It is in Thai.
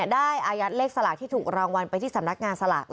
ได้อายะเลขสลากที่ถูกรางวัลฝ่าสถานการณ์สลากแล้ว